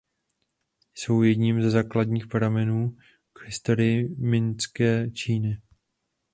Jsou jedním ze základních pramenů k historii mingské Číny.